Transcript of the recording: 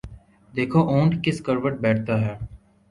دیکھو اونٹ کس کروٹ بیٹھتا ہے ۔